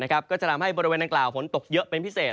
ก็จะทำให้บริเวณดังกล่าวฝนตกเยอะเป็นพิเศษ